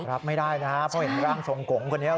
รับไม่ได้นะครับเพราะเห็นร่างทรงกงคนนี้